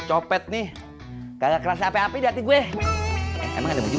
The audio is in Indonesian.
cuma masalahnya yang muji gue cuma masalahnya yang muji gue cuma masalahnya yang muji gue